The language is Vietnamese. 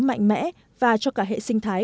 mạnh mẽ và cho cả hệ sinh thái